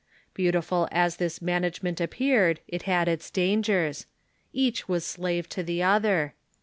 Beautiful as this management ap peared, it had its dangers. Each was slave to the other.